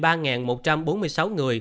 đang bị bệnh